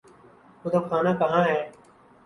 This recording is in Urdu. کتب خانہ کہاں ہے؟